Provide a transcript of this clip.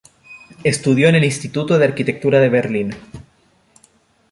Estudió en el Instituto de Arquitectura de Berlín.